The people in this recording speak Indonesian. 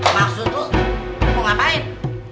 maksud lu mau ngapain